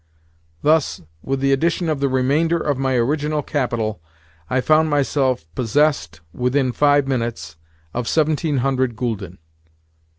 Thus, with the addition of the remainder of my original capital, I found myself possessed, within five minutes, of seventeen hundred gülden.